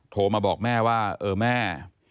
โทรมาบอกแม่ว่าเออแม่